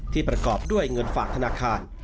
ประกอบด้วยเงินฝากธนาคาร